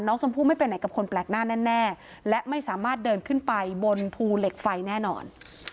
ชมพูไม่ไปไหนกับคนแปลกหน้าแน่และไม่สามารถเดินขึ้นไปบนภูเหล็กไฟแน่นอน